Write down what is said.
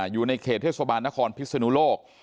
อยู่ในเขตเทศบาลนครพิศนุโลก